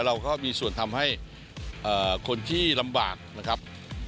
เราก็มีส่วนทำให้คนที่ลำบากนะครับ